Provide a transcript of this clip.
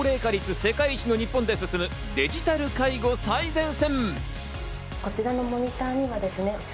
世界一の日本で進むデジタル介護最前線！